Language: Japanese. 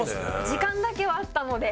時間だけはあったので。